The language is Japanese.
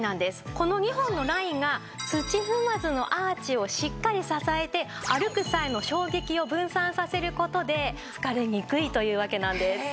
この２本のラインが土踏まずのアーチをしっかり支えて歩く際の衝撃を分散させる事で疲れにくいというわけなんです。